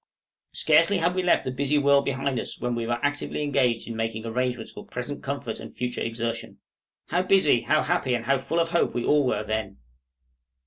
Scarcely had we left the busy world behind us when we were actively engaged in making arrangements for present comfort and future exertion. How busy, how happy, and how full of hope we all were then!